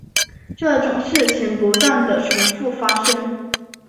这种事件不断地重覆发生。